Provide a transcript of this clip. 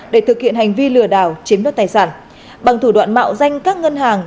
để thực hiện hành vi lừa đảo chiếm đoạt tài sản bằng thủ đoạn mạo danh các ngân hàng